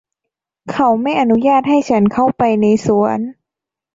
พวกเขาไม่อนุญาตให้ฉันเข้าไปในสวน